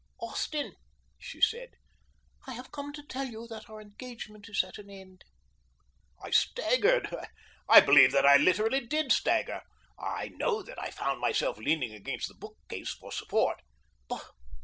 "Austin," she said, "I have come to tell you that our engagement is at an end." I staggered. I believe that I literally did stagger. I know that I found myself leaning against the bookcase for support.